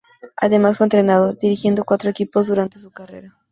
Además fue entrenador, dirigiendo cuatro equipos durante su carrera.